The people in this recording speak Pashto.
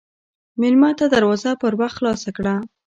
مېلمه ته دروازه پر وخت خلاصه کړه.